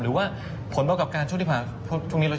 หรือว่าผลเป็นประกอบการตั้งแต่ช่วงที่ผ่าน